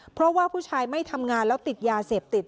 เพราะว่าผู้ชายไม่ทำงานแล้วติดยาเสพติด